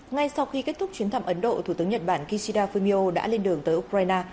ngay sau khi kết thúc chuyến thăm ấn độ thủ tướng nhật bản kishida fumio đã lên đường tới ukraine